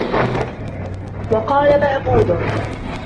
وَقَالَ مَهْبُودٌ